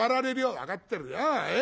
「分かってるよ。